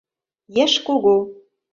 Еш кугу.